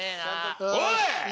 おい‼